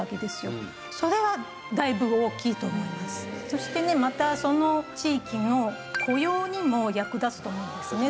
そしてねまたその地域の雇用にも役立つと思うんですね。